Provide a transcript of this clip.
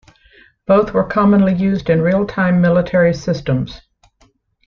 Both were commonly used in real-time military systems.